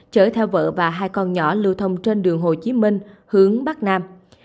chở theo vợ và hai con nhỏ lưu thông trên đường hồ chí minh hướng bắc nam